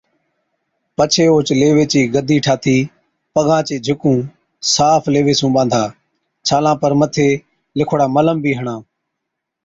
پڇي اوهچ ليوي چِي گڌِي ٺاهٿِي پگان چي جھِڪُون صاف ليوي سُون ٻانڌا۔ ڇالان پر مٿي لِکوڙا ملم بِي هڻا